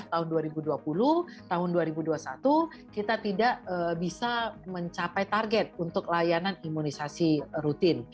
tahun dua ribu dua puluh tahun dua ribu dua puluh satu kita tidak bisa mencapai target untuk layanan imunisasi rutin